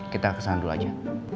kita kesana dulu aja